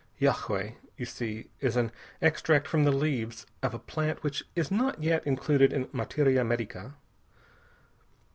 Yagué, you see, is an extract from the leaves of a plant which is not yet included in materia medica.